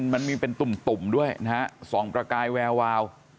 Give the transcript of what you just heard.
มันมีเป็นตุ่มด้วยนะฮะส่องประกายแวววาว